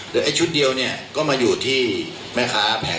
เดี๋ยวไอ้ชุดเดียวเนี่ยก็มาอยู่ที่แม่ค้าแผงที่สี่นะครับ